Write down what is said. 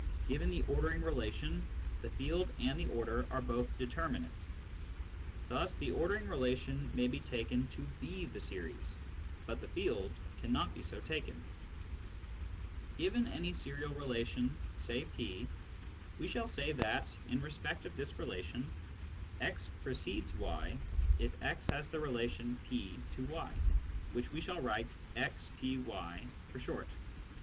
Given the ordering relation, the field and the order are both determinate. Thus the ordering relation may be taken to be the series, but the field cannot be so taken. Given any serial relation, say P, we shall say that, in respect of this relation, x " precedes " y if x has the relation P to y, which we shall write " xVy " for short.